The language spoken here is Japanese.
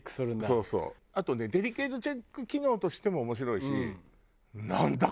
あとねデリケートチェック機能としても面白いしなんだ？